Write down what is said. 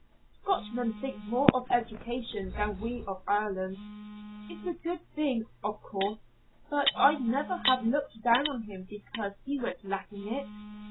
Scotchmen think more of education than we of Ireland. It's a good thing, of course, but I'd never have looked down on him because he went lacking it.